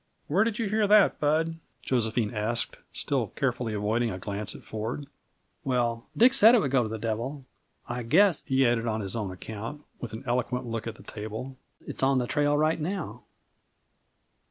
"Where did you hear that, Bud?" Josephine asked, still carefully avoiding a glance at Ford. "Well, Dick said it would go to the devil. I guess," he added on his own account, with an eloquent look at the table, "it's on the trail right now."